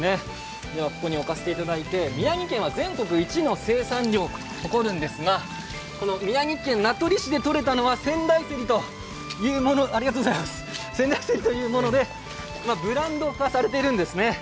ではここに置かせていただいて、宮城県は全国一の生産量を誇るんですが宮城県名取市でとれたのは仙台せりというものでブランド化されているんですね。